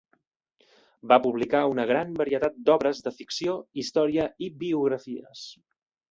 Va publicar una gran varietat d'obres de ficció, història i biografies.